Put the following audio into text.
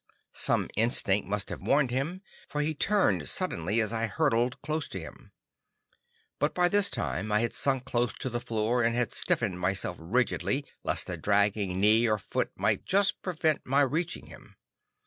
Some instinct must have warned him, for he turned suddenly as I hurtled close to him. But by this time I had sunk close to the floor, and had stiffened myself rigidly, lest a dragging knee or foot might just prevent my reaching him.